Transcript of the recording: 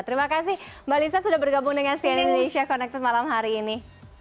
terima kasih mbak lisa sudah bergabung dengan cn indonesia connected malam hari ini